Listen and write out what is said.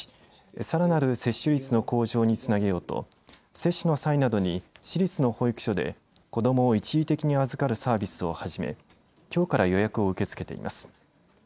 さらなる接種率の向上につなげようと接種の際などに市立の保育所で子どもを一時的に預かるサービスを始めきょうから予約を受け付けています。